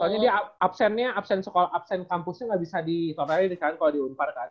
soalnya dia absennya absen sekolah absen kampusnya nggak bisa ditopelin kan kalau diumparkan